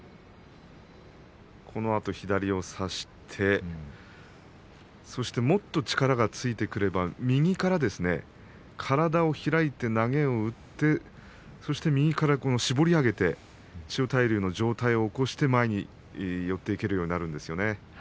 左を差してそして、もっと力がついてくれば右から体を開いて投げを打ってそして右から絞り上げて千代大龍の上体を起こして前に寄っていけるようになるんですね。